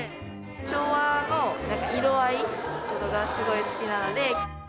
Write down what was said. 昭和のなんか色合いとかが、すごい好きなので。